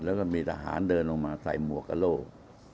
แล้วก็มีทหารเดินลงมาใส่หมวกกระโลก